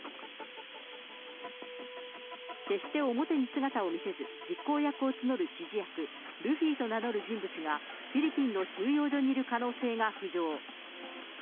決して表に姿を見せず、実行役を募る指示役、ルフィと名乗る人物が、フィリピンの収容所にいる可能性が浮上。